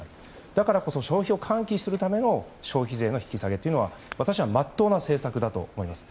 だからこそ消費を喚起するための消費税の引き下げというのは私はまっとうな政策だと思います。